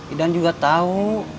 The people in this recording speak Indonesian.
idan juga tau